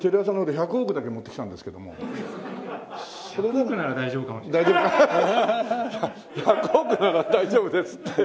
１００億なら大丈夫ですって。